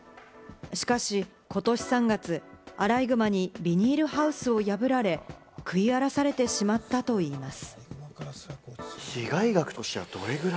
しかし、ことし３月、アライグマにビニールハウスを破られ、食い荒らされてしまったといいます。